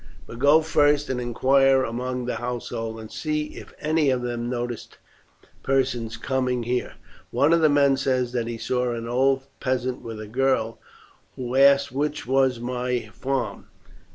But go first and inquire among the household, and see if any of them noticed persons coming here." "One of the men says that he saw an old peasant with a girl who asked which was my farm."